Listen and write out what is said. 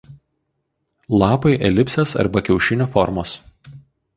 Lapai elipsės arba kiaušinio formos.